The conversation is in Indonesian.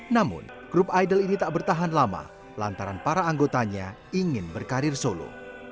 namun grup idol ini tak bertahan lama lantaran para anggotanya ingin berkarir solo